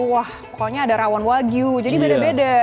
wah pokoknya ada rawon wagyu jadi beda beda